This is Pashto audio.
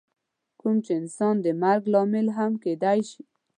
کوم چې انسان د مرګ لامل هم کیدی شي.